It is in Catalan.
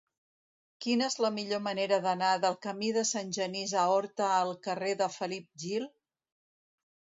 Quina és la millor manera d'anar del camí de Sant Genís a Horta al carrer de Felip Gil?